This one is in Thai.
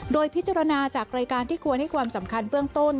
โดยพิจารณาจากรายการที่ควรให้ความสำคัญเบื้องต้น